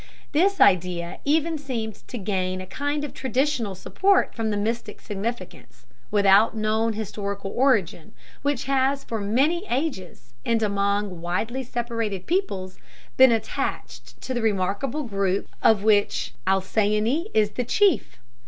This idea even seemed to gain a kind of traditional support from the mystic significance, without known historical origin, which has for many ages, and among widely separated peoples, been attached to the remarkable group of which Alcyone is the chief.